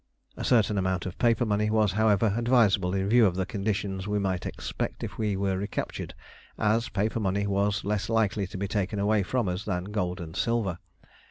A certain amount of paper money was, however, advisable in view of the conditions we might expect if we were recaptured, as paper money was less likely to be taken away from us than gold and silver.